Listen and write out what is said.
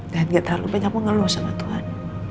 dan gak terlalu banyak mengeluh sama tuhan